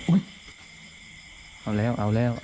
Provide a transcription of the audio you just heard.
อืม